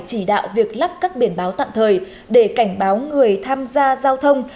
chỉ đạo việc lắp các biển báo tạm thời để cảnh báo người tham gia giao thông